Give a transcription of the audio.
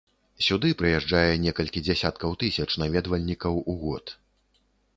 Сюды прыязджае некалькі дзясяткаў тысяч наведвальнікаў у год.